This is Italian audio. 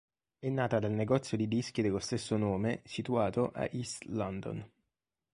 È nata dal negozio di dischi dello stesso nome situato a East London.